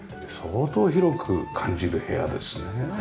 相当広く感じる部屋ですね。